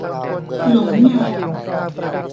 หลงเงา